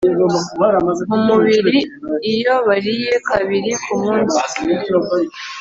mu mubiri iyo bariye kabiri ku munsi